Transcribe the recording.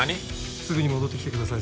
すぐに戻ってきてください